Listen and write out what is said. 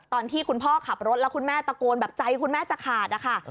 ตอนที่คุณพ่อขับรถแล้วคุณแม่ตะโกนแบบใจคุณแม่จะขาดนะคะ